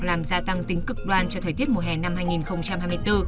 làm gia tăng tính cực đoan cho thời tiết mùa hè năm hai nghìn hai mươi bốn